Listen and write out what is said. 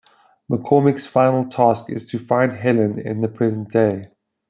McCormick's final task is to find Helen in the present day.